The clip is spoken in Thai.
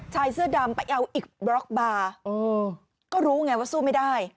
ชายเสื้อดำไปเอาอีกบล็อกบาร์ก็รู้ไงว่าสู้ไม่ได้